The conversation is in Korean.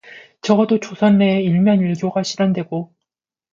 적어도 조선 내에 일면 일교가 실현되고